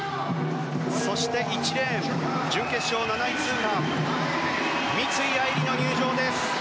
そして、１レーン準決勝７位通過三井愛梨の入場です。